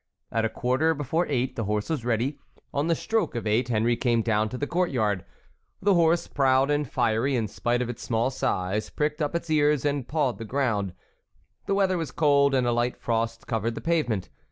At a quarter before eight the horse was ready. On the stroke of eight Henry came down to the court yard. The horse, proud and fiery in spite of its small size, pricked up its ears and pawed the ground. The weather was cold and a light frost covered the pavement.